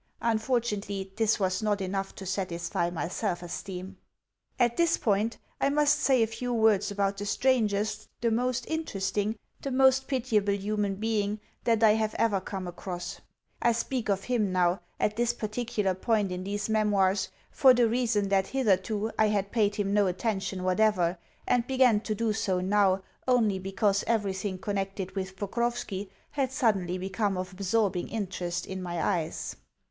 Unfortunately this was not enough to satisfy my self esteem. At this point, I must say a few words about the strangest, the most interesting, the most pitiable human being that I have ever come across. I speak of him now at this particular point in these memoirs for the reason that hitherto I had paid him no attention whatever, and began to do so now only because everything connected with Pokrovski had suddenly become of absorbing interest in my eyes.